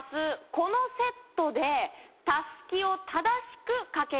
このセットでたすきを正しく掛けていただきます